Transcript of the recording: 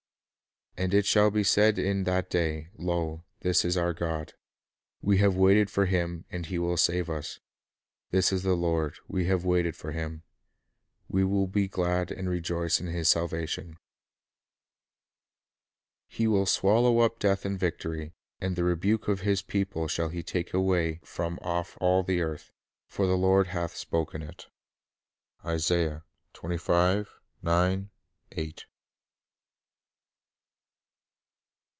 "' "And it shall be said in that day, Lo, this is our God ; 'lie Will We have waited for Him, and He will save us: This is the Lord ; we have waited for Him, We will be glad and rejoice in His salvation " "He will swallow up death in victory; ... and the rebuke of His people shall He take away from off all the earth; for the Lord hath spoken it.'"